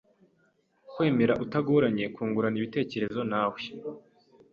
kwemera utagoranye, kungurana ibitekerezo nawe